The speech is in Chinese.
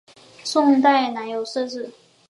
宋代仍有设置。